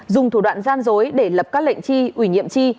dùng thủ đoạn gian dối để lập các lệnh chi ủy nhiệm chi